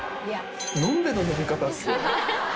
飲んべえの飲み方っすよ。